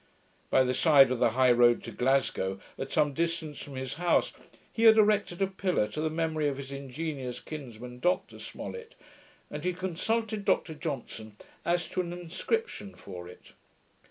By the side of the high road to Glasgow, at some distance from his house, he had erected a pillar to the memory of his ingenious kinsman, Dr Smollet; and he consulted Dr Johnson as to an inscription for it.